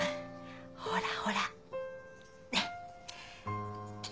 ほらほらね。